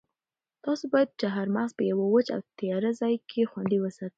تاسو باید چهارمغز په یوه وچ او تیاره ځای کې خوندي وساتئ.